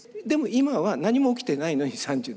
でも今は何も起きてないのに３７％。